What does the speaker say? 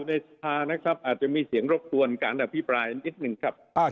ในสภานะครับอาจจะมีเสียงรบกวนการอภิปรายนิดหนึ่งครับ